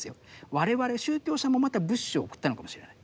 我々宗教者もまた物資を送ったのかもしれない。